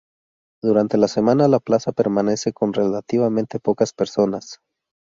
Durante la semana la plaza permanece con relativamente pocas personas.